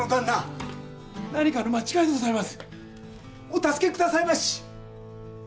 お助け下さいまし。